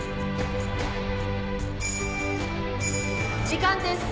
時間です